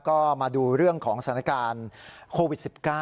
ก็มาดูเรื่องของสถานการณ์โควิด๑๙